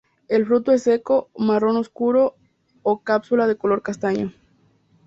El fruto es seco, marrón oscuro o cápsula de color castaño.